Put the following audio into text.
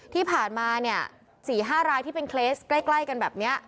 ที่ผ่านมาเนี่ย๔๕รายที่เป็นเคสใกล้กันแบบนี้